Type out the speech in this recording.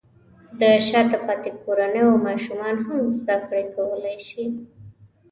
د شاته پاتې کورنیو ماشومان هم زده کړې کولی شي.